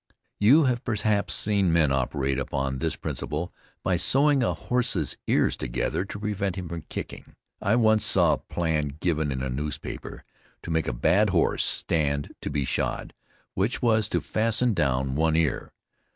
You have perhaps seen men operate upon this principle by sewing a horse's ears together to prevent him from kicking. I once saw a plan given in a newspaper to make a bad horse stand to be shod, which was to fasten down one ear.